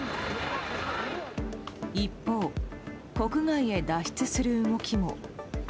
一方、国外へ脱出する動きも。